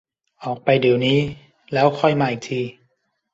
ออกไปเดี๋ยวนี้แล้วค่อยมาอีกที